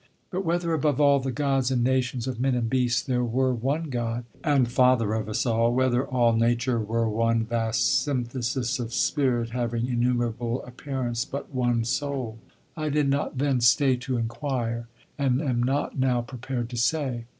But whether above all the Gods and nations of men and beasts there were one God and Father of us all, whether all Nature were one vast synthesis of Spirit having innumerable appearance but one soul, I did not then stay to inquire, and am not now prepared to say.